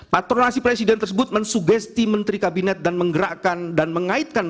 patronasi presiden tersebut mensugesti menteri kabinet dan menggerakkan dan mengaitkan